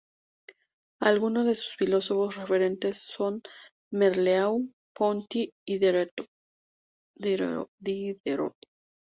Algunos de sus filósofos referentes son Merleau-Ponty y Diderot.